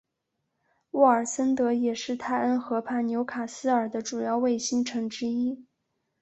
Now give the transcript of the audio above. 沃尔森德也是泰恩河畔纽卡斯尔的主要卫星城之一。